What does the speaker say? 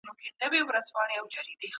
په لویه جرګه کي د بزګرانو استازي څوک دي؟